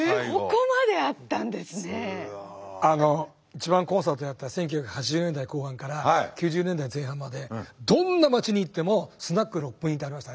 一番コンサートやった１９８０年代後半から９０年代前半までどんな町に行っても「スナック六本木」ってありましたね。